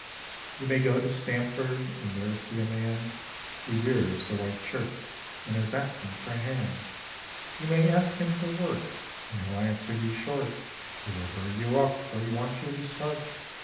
You may go to Stamford and there see a man Who wears a white shirt and is asking for hands; You may ask him for work and he'll answer you short, He will hurry you up, for he wants you to start.